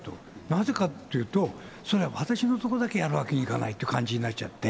なぜかっていうと、それは、私のところだけやるわけにはいかないという感じになっちゃって。